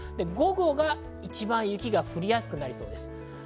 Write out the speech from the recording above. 午後が一番雪が降りやすくなりそうです。